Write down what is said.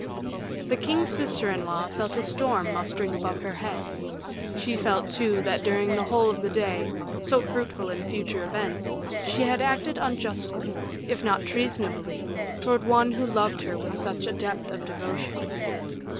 The king's sister in law felt a storm mustering above her head; she felt, too, that during the whole of the day, so fruitful in future events, she had acted unjustly, if not treasonably, towards one who loved her with such a depth of devotion.